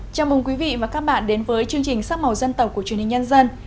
chào mừng quý vị và các bạn đến với chương trình sắc màu dân tộc của truyền hình nhân dân